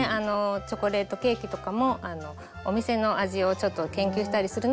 チョコレートケーキとかもお店の味をちょっと研究したりするのは好きでした。